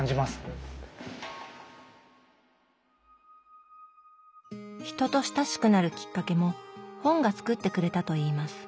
人と親しくなるきっかけも本がつくってくれたといいます。